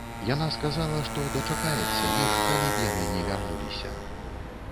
Яна сказала, што дачакаецца іх, калі б яны ні вярнуліся.